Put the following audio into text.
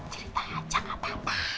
cerita aja gak apa apa